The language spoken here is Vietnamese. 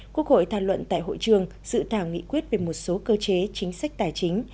quốc hội thảo luận tại hội trường sự thảo nghị quyết về một số cơ chế chính sách tài chính